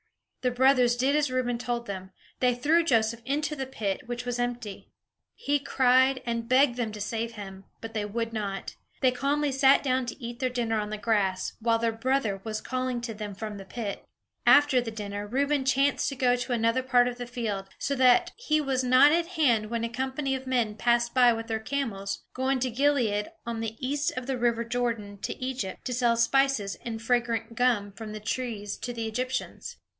The brothers did as Reuben told them; they threw Joseph into the pit, which was empty. He cried, and begged them to save him; but they would not. They calmly sat down to eat their dinner on the grass, while their brother was calling to them from the pit. After the dinner, Reuben chanced to go to another part of the field; so that he was not at hand when a company of men passed by with their camels, going from Gilead, on the east of the river Jordan, to Egypt, to sell spices and fragrant gum from trees to the Egyptians.